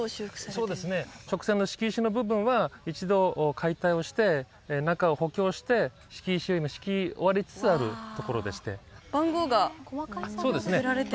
そうですね直線の敷石の部分は一度解体をして中を補強して敷石を今敷き終わりつつあるところでして番号が振られてますそうですね